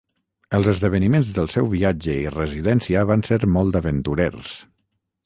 Els esdeveniments del seu viatge i residència van ser molt aventurers.